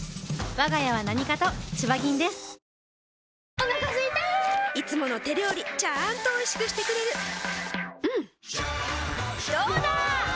お腹すいたいつもの手料理ちゃんとおいしくしてくれるジューうんどうだわ！